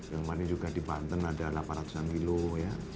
kemarin juga di banten ada delapan ratus an kilo ya